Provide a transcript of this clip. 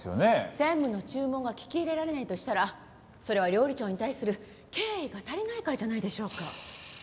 専務の注文が聞き入れられないとしたらそれは料理長に対する敬意が足りないからじゃないでしょうか。